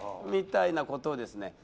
みたいなことをですね